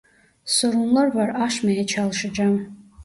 Sorunlar var aşmaya çalışacağım.